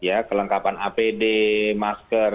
ya kelengkapan apd masker